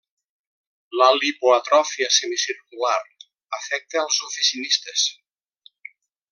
La lipoatròfia semicircular afecta als oficinistes.